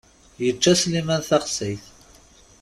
Yečča Sliman taxsayt!